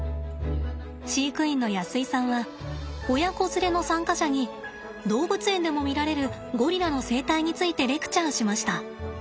飼育員の安井さんは親子連れの参加者に動物園でも見られるゴリラの生態についてレクチャーしました。